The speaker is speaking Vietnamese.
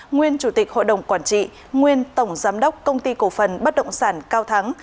nguyên chủ tịch hội đồng quản trị nguyên tổng giám đốc công ty cổ phần bất động sản cao thắng